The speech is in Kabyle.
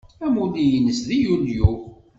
Amulli-nnes deg Yulyu.